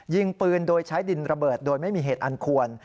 ยิงปืนโดยใช้ดินระเบิดโดยไม่มีเหตุอันควร